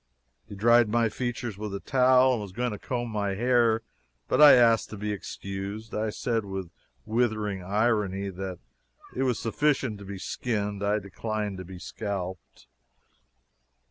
He dried my features with a towel and was going to comb my hair, but I asked to be excused. I said, with withering irony, that it was sufficient to be skinned I declined to be scalped.